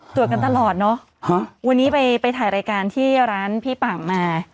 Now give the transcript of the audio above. ตรวจกันตลอดเนอะวันนี้ไปไปถ่ายรายการที่ร้านพี่ป่างมา